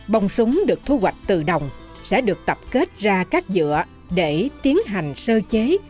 bông súng được thu hoạch từ đồng sẽ được tập kết ra các dựa để tiến hành sơ chế